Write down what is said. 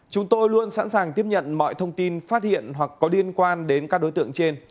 chúng tôi luôn sẵn sàng tiếp nhận mọi thông tin phát hiện hoặc có liên quan đến các đối tượng trên